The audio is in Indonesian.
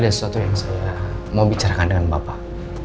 ada sesuatu yang saya mau bicarakan dengan bapak